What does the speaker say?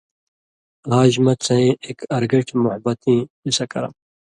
آژ مہ څَیں اېک ارگٹیۡ موحبَتِیں قصہ کرم